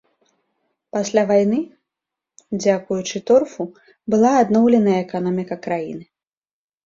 Пасля вайны, дзякуючы торфу, была адноўленая эканоміка краіны.